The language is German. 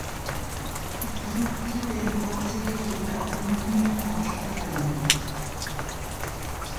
Die Produkte werden hauptsächlich in der Automobilbranche verwendet.